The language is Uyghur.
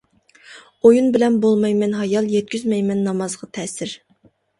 ئويۇن بىلەن بولمايمەن ھايال، يەتكۈزمەيمەن نامازغا تەسىر.